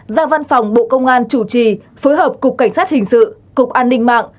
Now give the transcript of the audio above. do văn phòng bộ công an chủ trì phối hợp cục cảnh sát hình sự cục an ninh mạng